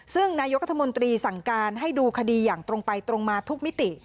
ซึ่งนายกรัฐมนตรีสั่งการให้ดูคดีอย่างตรงไปตรงมาทุกมิติ